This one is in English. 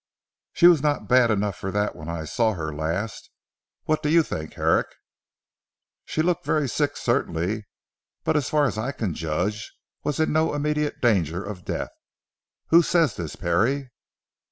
"She was not bad enough for that when I saw her last. What do you think Herrick?" "She looked very sick certainly, but so far as I can judge was in no immediate danger of death. Who says this Parry?"